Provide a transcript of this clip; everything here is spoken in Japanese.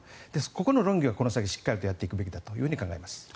ここの論議はこの先しっかりやっていくべきだと考えます。